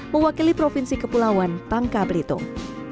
mewakili provinsi kepulauan pangka blitung